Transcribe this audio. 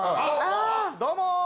どうも！